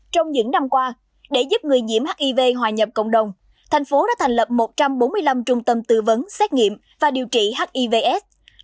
trong những năm qua để giúp người nhiễm hiv hòa nhập cộng đồng thành phố đã thành lập một trăm bốn mươi năm trung tâm tư vấn xét nghiệm và điều trị hivs